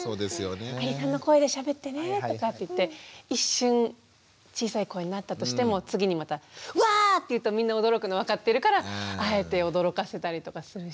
「アリさんの声でしゃべってね」とかって言って一瞬小さい声になったとしても次にまた「わあ！」って言うとみんな驚くの分かってるからあえて驚かせたりとかするし。